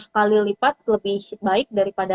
lima kali lipat lebih baik daripada